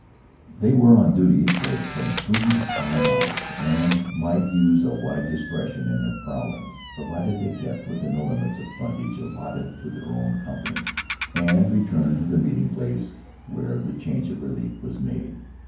They were on duty for from three to five hours, and might use a wide discretion in their prowlings, provided they kept within the limits of frontage allotted to their own company, and returned to the meeting place where the change of reliefs was made.